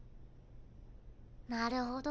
なるほど。